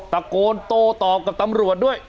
ตะโกนโตต่อกับตำรวจด้วย